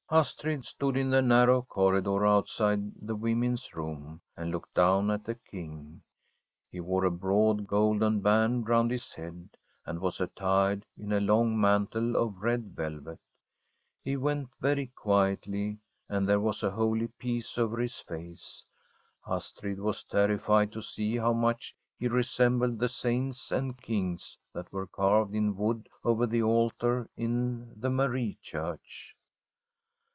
Astrid stood in the narrow corridor outside the Women's Room and looked down at the King. He wore a broad golden band round his head, and was attired in a long mantle of red velvet. He went very quietly, and there was a holy peace over his face. Astrid was terrified to see how much he resembled the Saints and Kings that were carved in wood over the altar in the Marie Church.